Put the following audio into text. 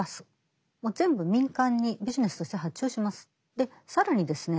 で更にですね